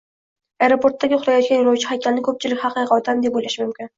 Aeroportdagi uxlayotgan yo‘lovchi haykalini ko‘pchilik haqiqiy odam deb o‘ylashi mumkin